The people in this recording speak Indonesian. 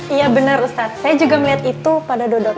iya benar ustadz saya juga melihat itu pada duduk